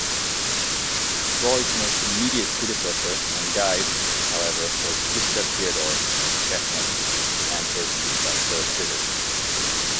Freud's most immediate predecessor and guide however was Gustav Theodor Fechner and his psychophysics.